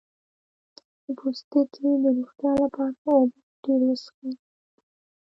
د پوستکي د روغتیا لپاره اوبه ډیرې وڅښئ